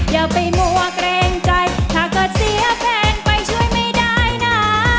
อย่าไปมัวเกรงใจถ้าเกิดเสียแฟนไปช่วยไม่ได้นะ